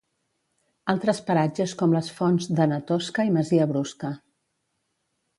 Altres paratges com les Fonts de Na Tosca i Masia Brusca